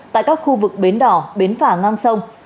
tại các khu vực bến đỏ bến phà ngang sông